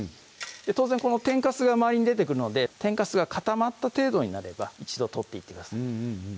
当然この天かすが周りに出てくるので天かすが固まった程度になれば一度取っていってください